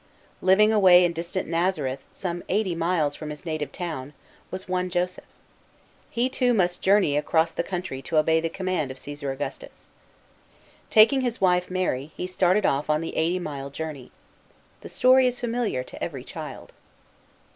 Living away in distant Nazareth, some eighty miles, from his native town, was o$e Joseph. He too must journey across the coifntry to obey the command of Csesar Augustus. Taking his wife 200 THE BIBTH OF CHRIST. [n.c. 4. Mary, he started off on the eighty mile journey. The story is familiar to every child.